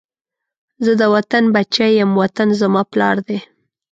زه د وطن بچی یم، وطن زما پلار دی